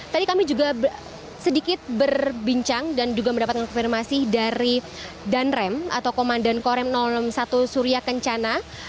tadi kami juga sedikit berbincang dan juga mendapatkan konfirmasi dari danrem atau komandan korem enam puluh satu surya kencana